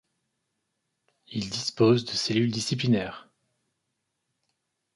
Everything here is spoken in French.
Ils disposent de cellules disciplinaires.